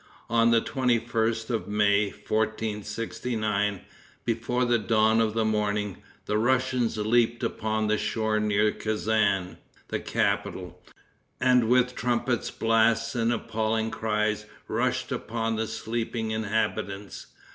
On the 21st of May, 1469, before the dawn of the morning, the Russians leaped upon the shore near Kezan, the capital, and with trumpet blasts and appalling cries, rushed upon the sleeping inhabitants.